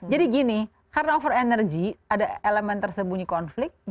jadi gini karena over energy ada elemen tersembunyi konflik